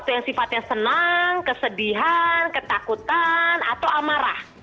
yang sifatnya senang kesedihan ketakutan atau amarah